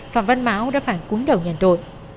phạm văn máu đã phải cuốn đầu nhận tội